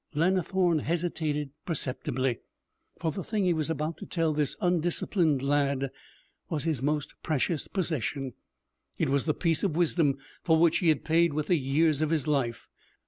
Lannithorne hesitated perceptibly. For the thing he was about to tell this undisciplined lad was his most precious possession; it was the piece of wisdom for which he had paid with the years of his life.